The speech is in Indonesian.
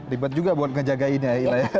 ribet juga buat menjaga ini ya